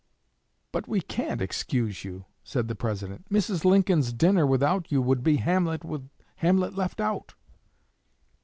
"But we can't excuse you," said the President. "Mrs. Lincoln's dinner without you would be Hamlet with Hamlet left out."